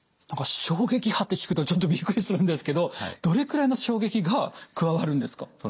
何か衝撃波って聞くとちょっとビックリするんですけどどれくらいの衝撃が加わるんですか？